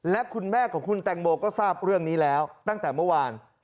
และคุณแม่ของคุณแตงโมก็ทราบเรื่องนี้แล้วตั้งแต่เมื่อวาน